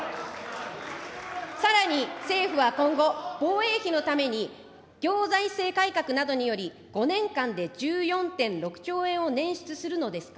さらに政府は今後、防衛費のために、行財政改革などにより、５年間で１４．６兆円を捻出するのですか。